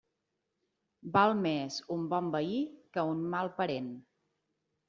Val més un bon veí que un mal parent.